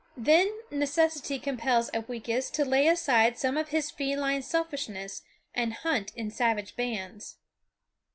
Then necessity compels Upweekis to lay aside some of his feline selfishness and hunt in savage bands.